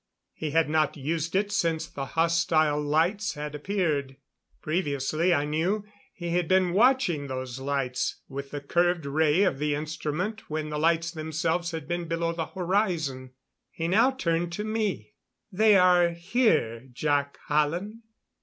He had not used it since the hostile lights had appeared. Previously, I knew, he had been watching those lights, with the curved ray of the instrument when the lights themselves had been below the horizon. He turned now to me. "They are here, Jac Hallen.